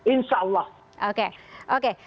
insya allah oke